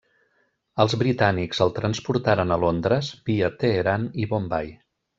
Els britànics el transportaren a Londres via Teheran i Bombai.